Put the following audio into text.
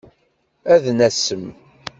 Ad nasem.